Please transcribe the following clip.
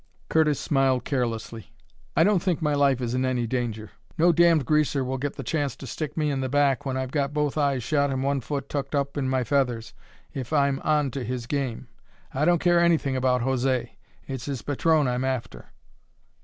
Curtis smiled carelessly. "I don't think my life is in any danger. No damned greaser will get the chance to stick me in the back when I've got both eyes shut and one foot tucked up in my feathers, if I'm onto his game. I don't care anything about José; it's his patron I'm after."